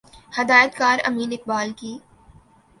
ہدایت کار امین اقبال کی